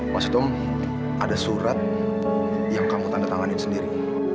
maksud om ada surat yang kamu tanda tanganin sendiri